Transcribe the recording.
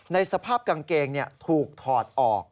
ในสภาพกางเกงถูกถอดออก